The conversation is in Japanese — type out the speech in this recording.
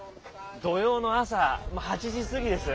土曜の朝８時過ぎです。